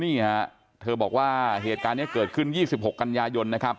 นี่ฮะเธอบอกว่าเหตุการณ์นี้เกิดขึ้น๒๖กันยายนนะครับ